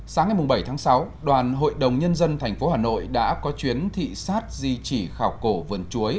sáng ngày bảy tháng sáu đoàn hội đồng nhân dân tp hà nội đã có chuyến thị sát di chỉ khảo cổ vườn chuối